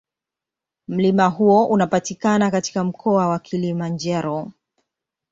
Mlima huo unapatikana katika Mkoa wa Kilimanjaro.